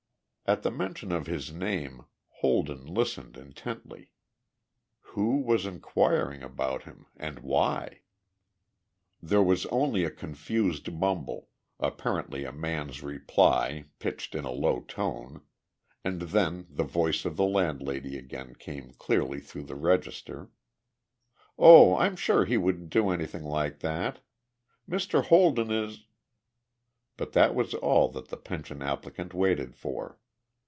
At the mention of his name Holden listened intently. Who was inquiring about him, and why? There was only a confused mumble apparently a man's reply, pitched in a low tone and then the voice of the landlady again came clearly through the register: "Oh, I'm sure he wouldn't do anything like that. Mr. Holden is...." But that was all that the pension applicant waited for.